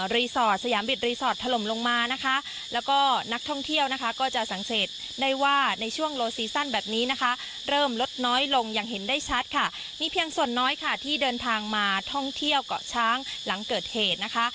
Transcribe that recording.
สยามบิดรีสอร์ทถล่มลงมานะคะแล้วก็นักท่องเที่ยวนะคะก็จะสังเกตได้ว่าในช่วงโลซีซั่นแบบนี้นะคะเริ่มลดน้อยลงอย่างเห็นได้ชัดค่ะมีเพียงส่วนน้อยค่ะที่เดินทางมาท่องเที่ยวเกาะช้างหลังเกิดเหตุนะคะ